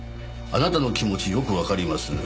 「あなたの気持ちよくわかります」